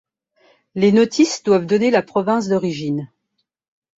Les notices doivent donner la province d'origine.